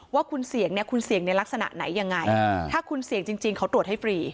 หรือว่าคุณเสียงในลักษณะไหนยังไงถ้าคุณเสียงจริงเขาตรวจให้ฟรี